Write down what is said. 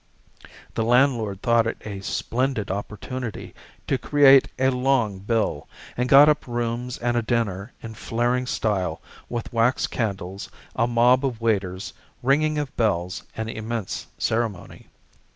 The landlord thought it a splendid opportunity to create a long bill, and got up rooms and a dinner in flaring style, with wax candles, a mob of waiters, ringing of bells, and immense ceremony.